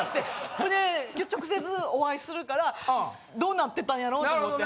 ほんで今日直接お会いするからどうなってたんやろうと思って。